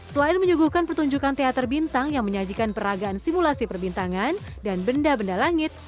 selain menyuguhkan pertunjukan teater bintang yang menyajikan peragaan simulasi perbintangan dan benda benda langit